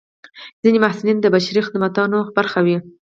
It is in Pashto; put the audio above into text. ځینې محصلین د بشري خدمتونو برخه وي.